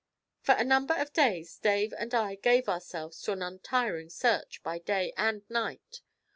For a number of days Dave and I gave ourselves to an untiring search, by day and night.